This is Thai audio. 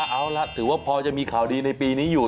เอาล่ะถือว่าพอจะมีข่าวดีในปีนี้อยู่